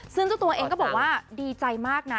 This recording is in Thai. ซึ่งเจ้าตัวเองก็บอกว่าดีใจมากนะ